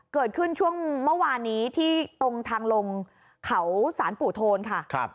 เกิดขึ้นช่วงเมื่อวานนี้ที่ตรงทางลงเขาสารปู่โทนค่ะ